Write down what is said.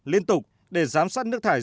liên tục để giám sát nước thải